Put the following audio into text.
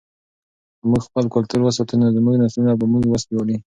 که موږ خپل کلتور وساتو نو زموږ نسلونه به په موږ ویاړي.